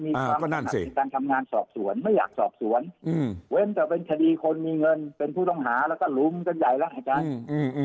คือตำรวจไทยเนี้ยไม่อยากจะทำการสอบสวนนะฮะ